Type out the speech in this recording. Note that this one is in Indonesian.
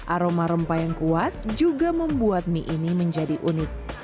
aroma rempah yang kuat juga membuat mie ini menjadi unik